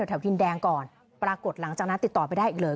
แถวดินแดงก่อนปรากฏหลังจากนั้นติดต่อไปได้อีกเลย